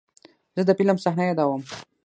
زه د فلم صحنه یادوم.